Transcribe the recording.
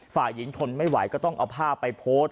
ฝ่ายหญิงทนไม่ไหวก็ต้องเอาภาพไปโพสต์